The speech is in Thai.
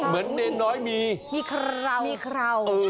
เหมือนเน่นน้อยมีมีคราวมีคราว